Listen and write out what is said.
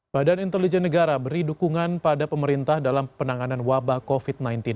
badan intelijen negara beri dukungan pada pemerintah dalam penanganan wabah covid sembilan belas